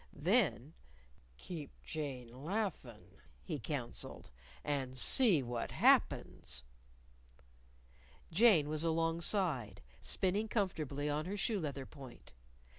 Then, "Keep Jane laughin'," he counseled, " and see what happens." Jane was alongside, spinning comfortably on her shoe leather point.